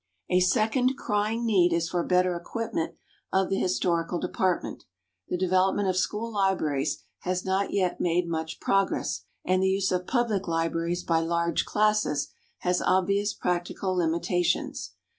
A second crying need is for better equipment of the historical department. The development of school libraries has not yet made much progress, and the use of public libraries by large classes has obvious practical limitations.